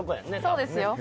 そうですよ。